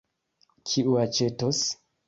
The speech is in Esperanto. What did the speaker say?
Kiu aĉetos?